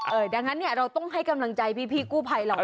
เออดังนั้นเนี่ยเราต้องให้กำลังใจพี่กู้ไพเหล่านี้